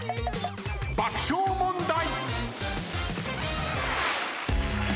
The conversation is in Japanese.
爆笑問題。